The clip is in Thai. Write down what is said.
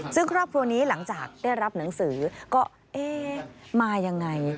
ซึ่งครอบครัวนี้หลังจากได้รับหนังสือก็เอ๊ะมายังไง